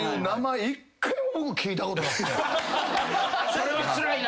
それはつらいな。